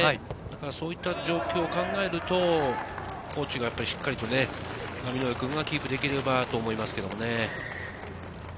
そういう状況を考えると、高知がしっかりとね、浪上君がキープできればと思いますね。